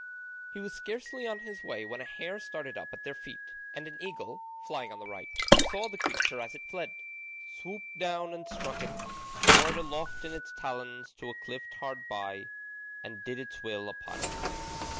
He was scarcely on his way when a hare started up at their feet, and an eagle, flying on the right, saw the creature as it fled, swooped down and struck it, bore it aloft in its talons to a cliff hard by, and did its will upon it there.